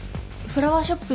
フラワーショップ